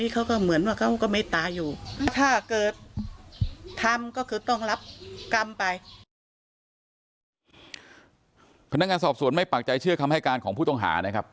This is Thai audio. พนักงานสอบสวนไม่ปักใจเชื่อคำให้การของผู้ต้องหานะครับ